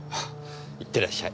いってらっしゃい。